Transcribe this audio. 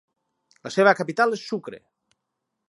La seva capital és Sucre.